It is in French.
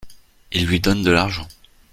Il lui donne de l’argent.